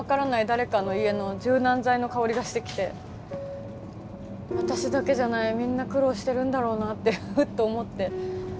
誰かの家の柔軟剤の香りがしてきて私だけじゃないみんな苦労してるんだろうなってふっと思って。